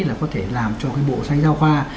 là có thể làm cho cái bộ sách giáo khoa